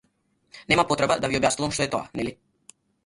Нема потреба да ви објаснувам што е тоа, нели?